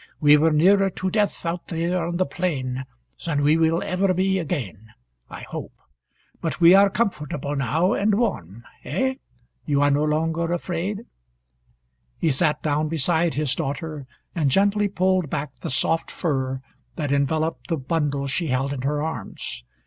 "We were nearer to death out there on the plain than we will ever be again, I hope. But we are comfortable now, and warm. Eh? You are no longer afraid?" He sat down beside his daughter, and gently pulled back the soft fur that enveloped the bundle she held in her arms.